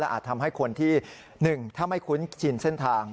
และอาจทำให้คนที่หนึ่งทำให้คุ้นกินเส้นทาง